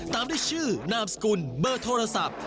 ตามด้วยชื่อนามสกุลเบอร์โทรศัพท์